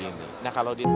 jadi kita akan menunggu